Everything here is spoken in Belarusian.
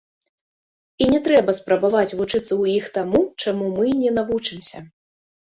І не трэба спрабаваць вучыцца ў іх таму, чаму мы не навучымся.